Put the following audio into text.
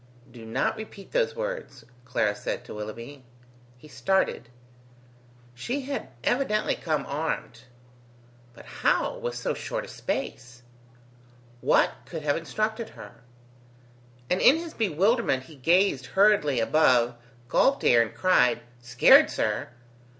"Do not repeat those words," Clara said to Willoughby. He started. She had evidently come armed. But how, within so short a space? What could have instructed her? And in his bewilderment he gazed hurriedly above, gulped air, and cried: "Scared, sir?